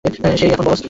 সেই এখন বস।